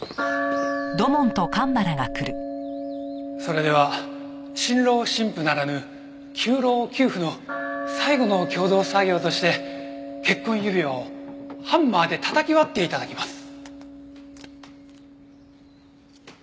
それでは新郎新婦ならぬ旧郎旧婦の最後の共同作業として結婚指輪をハンマーでたたき割って頂きます。